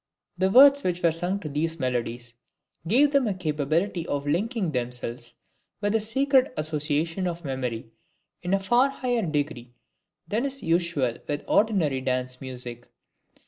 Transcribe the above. The words which were sung to these melodies, gave them a capability of linking themselves with the sacred associations of memory, in a far higher degree than is usual with ordinary dance music.